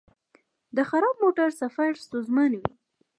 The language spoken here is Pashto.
د خراب موټر سفر ستونزمن وي.